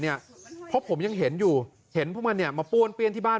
เพราะผมยังเห็นอยู่เห็นพวกมันมาป้วนเปี้ยนที่บ้าน